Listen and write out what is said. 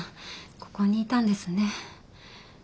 ここにいたんですね。